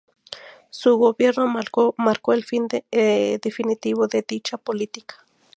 Su gobierno marcó el fin definitivo de dicha política.